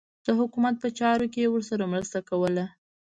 د حکومت په چارو کې یې ورسره مرسته کوله.